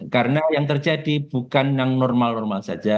karena yang terjadi bukan yang normal normal saja